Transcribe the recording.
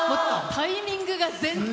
タイミングが全然。